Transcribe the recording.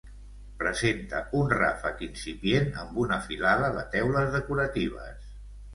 Presenta un ràfec incipient amb una filada de teules decoratives.